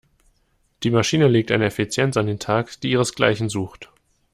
Die Maschine legt eine Effizienz an den Tag, die ihresgleichen sucht.